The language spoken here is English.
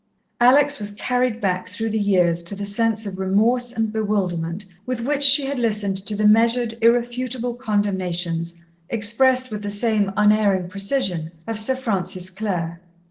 Alex was carried back through the years to the sense of remorse and bewilderment with which she had listened to the measured, irrefutable condemnations, expressed with the same unerring precision, of Sir Francis Clare.